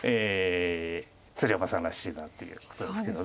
鶴山さんらしいなっていうことですけど。